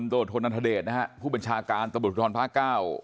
นิพนธ์โทษธนทเดชนะฮะผู้บัญชาการตระบุธรพระเก้า